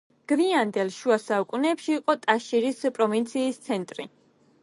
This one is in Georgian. გვიანდელ შუა საუკუნეებში იყო ტაშირის პროვინციის ცენტრი.